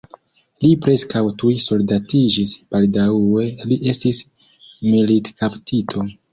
Li preskaŭ tuj soldatiĝis, baldaŭe li estis militkaptito.